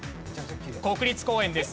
国立公園です。